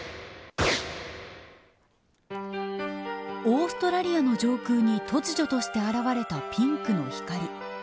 オーストラリアの上空に突如として現れたピンクの光。